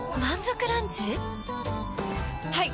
はい！